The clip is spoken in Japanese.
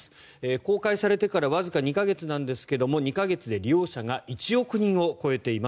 公開されてからわずか２か月なんですが２か月で利用者が１億人を超えています。